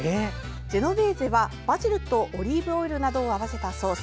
ジェノベーゼはバジルとオリーブオイルなどを合わせたソース。